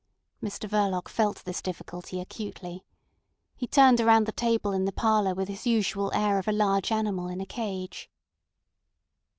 Mr Verloc felt this difficulty acutely. He turned around the table in the parlour with his usual air of a large animal in a cage.